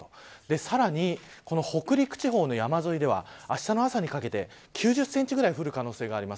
さらに北陸地方の山沿いではあしたの朝にかけて９０センチぐらい降る可能性があります。